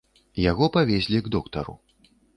Яго павезлі к доктару.